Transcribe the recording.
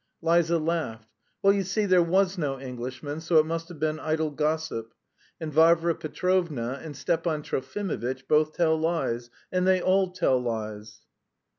Liza laughed. "Well, you see there was no Englishman, so it must have been idle gossip. And Varvara Petrovna and Stepan Trofimovitch both tell lies. And they all tell lies."